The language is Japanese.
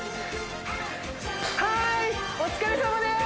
１はいお疲れさまです！